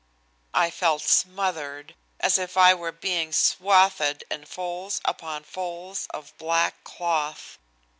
I felt smothered, as if I were being swathed in folds upon folds of black cloth.